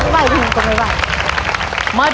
๕๐๐๐บาทครับ